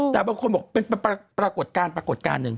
แต่บางคนบอกเป็นปรากฏการณ์ปรากฏการณ์หนึ่ง